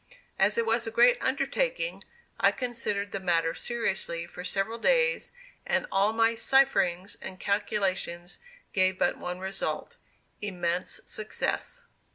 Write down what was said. As it was a great undertaking, I considered the matter seriously for several days, and all my "cipherings" and calculations gave but one result immense success.